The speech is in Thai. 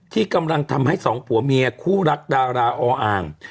ที่กำลังทำให้สองผัวเมียคู่รักดาราออ่าง